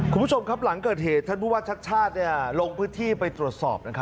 คุณผู้ชมครับหลังเกิดเหตุท่านผู้ว่าชัดชาติลงพื้นที่ไปตรวจสอบ